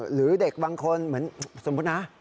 หรือเด็กบางคนเหมือนสมมุตินะ